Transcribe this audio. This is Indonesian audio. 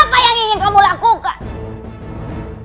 apa yang ingin kamu lakukan